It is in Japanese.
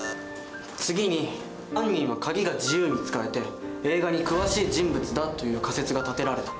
次に犯人は鍵が自由に使えて映画に詳しい人物だという仮説が立てられた。